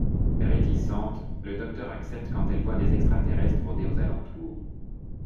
Réticente, le Docteur accepte quand elle voit des extraterrestres rôder aux alentours.